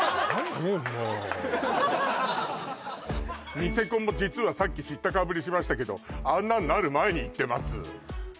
ニセコも実はさっき知ったかぶりしましたけどあんなんなる前に行ってます